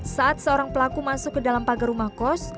saat seorang pelaku masuk ke dalam pagar rumah kos